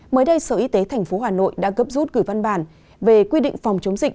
mới đây sở y tế thành phố hà nội đã gấp rút cử văn bản về quy định phòng chống dịch